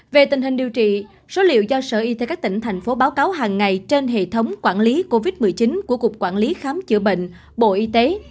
về tình hình điều trị số liệu do sở y tế các tỉnh thành phố báo cáo hàng ngày trên hệ thống quản lý covid một mươi chín của cục quản lý khám chữa bệnh bộ y tế